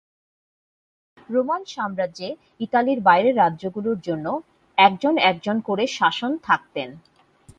Roman সাম্রাজ্যে ইতালির বাইরের রাজ্যগুলোর জন্য একজন একজন করে শাসন থাকতেন।